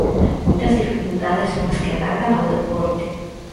Moitas dificultades son as que agardan ao deporte.